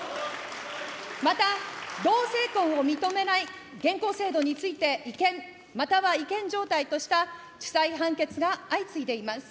また同性婚を認めない現行制度について、違憲または違憲状態とした地裁判決が相次いでいます。